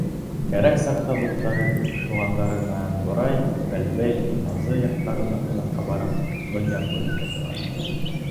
Кәрәк саҡта дуҫтары, туғандары менән Борай, Бәләбәй, Туймазы яҡтарына ҡунаҡҡа барып, донъя күреп ҡайталар.